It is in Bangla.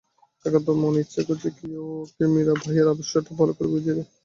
একান্ত মনে ইচ্ছা করেছে কেউ ওকে মীরাবাইএর আদর্শটা ভালো করে বুঝিয়ে দেয়।